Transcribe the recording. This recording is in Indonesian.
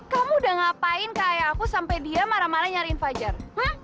kamu udah ngapain kayak aku sampai dia marah marah nyariin fajar